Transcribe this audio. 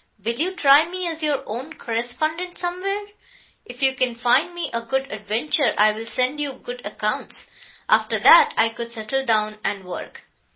Will you try me as your Own Correspondent somewhere? If you can find me a good adventure I will send you good accounts. After that I could settle down and work."